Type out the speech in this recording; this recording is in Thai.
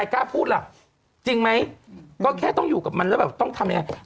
กล้าพูดล่ะจริงไหมก็แค่ต้องอยู่กับมันแล้วแบบต้องทำยังไง